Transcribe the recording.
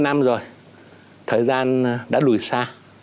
bốn mươi năm rồi thời gian đã lùi xa